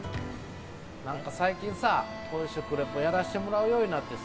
最近さ、こういう食リポやらせてもらうことになってさ